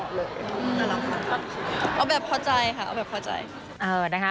น้องคนนี้ก็เอาแบบพอใจนะคะ